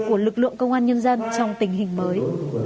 của lực lượng công an nhân dân trong tình hình mới